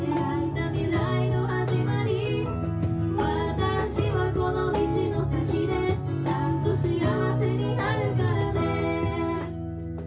「私はこの道の先でちゃんと幸せになるからね」